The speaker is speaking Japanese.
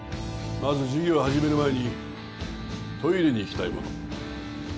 まず授業を始める前にトイレに行きたい者。